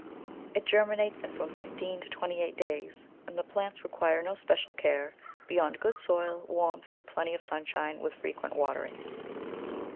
It germinates in from fifteen to twenty days, and the plants require no spe cial care beyond good soil, warmth, and plenty of sunshine with frequent waterings.